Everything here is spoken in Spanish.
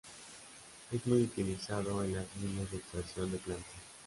Es muy utilizado en las minas de extracción de plata.